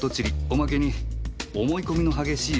おまけに思い込みの激しいその男は